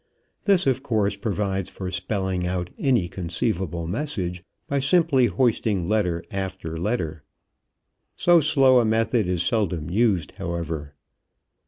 This of course provides for spelling out any conceivable message by simply hoisting letter after letter. So slow a method is seldom used, however.